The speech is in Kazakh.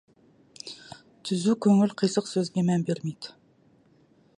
Түзу көңіл қисық сөзге мән бермейді.